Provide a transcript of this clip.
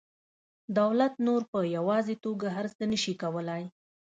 دولت نور په یوازې توګه هر څه نشي کولی